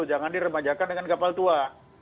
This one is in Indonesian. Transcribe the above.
jangan diremajakan dengan kapal tua